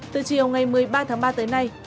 từ chiều ngày một mươi ba tháng ba tới nay